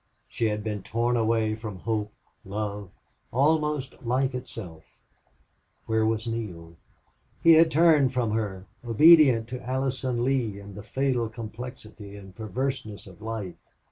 She had been torn away from hope, love, almost life itself. Where was Neale? He had turned from her, obedient to Allison Lee and the fatal complexity and perversenes's of life.